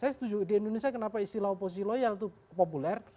saya setuju di indonesia kenapa istilah oposisi loyal itu populer